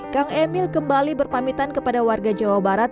kang emil kembali berpamitan kepada warga jawa barat